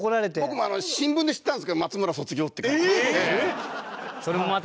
僕も新聞で知ったんですけど「松村卒業」って。